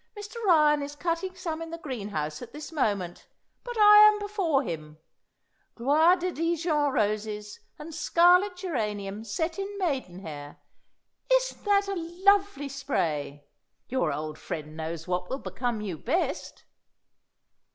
Mr. Ryan is cutting some in the greenhouse at this moment, but I am before him. Gloire de Dijon roses and scarlet geranium set in maidenhair! Isn't that a lovely spray? Your old friend knows what will become you best!"